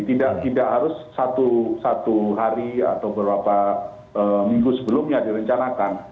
tidak harus satu hari atau beberapa minggu sebelumnya direncanakan